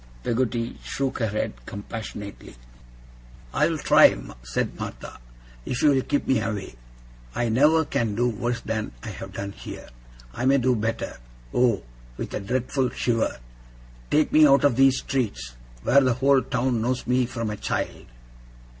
Peggotty shook her head compassionately. 'I'll try,' said Martha, 'if you'll help me away. I never can do worse than I have done here. I may do better. Oh!' with a dreadful shiver, 'take me out of these streets, where the whole town knows me from a child!